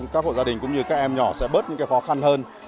các hội gia đình cũng như các em nhỏ sẽ bớt những cái khó khăn hơn